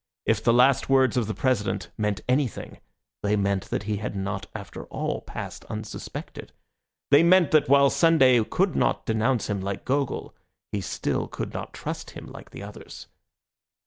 If the last words of the President meant anything, they meant that he had not after all passed unsuspected. They meant that while Sunday could not denounce him like Gogol, he still could not trust him like the others.